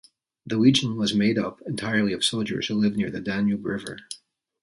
The legion was made up entirely of soldiers who lived near the Danube river.